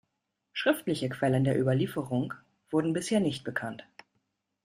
Schriftliche Quellen der Überlieferung wurden bisher nicht bekannt.